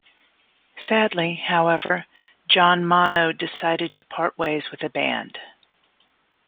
Sadly, however, John Mono decided to part ways with the band.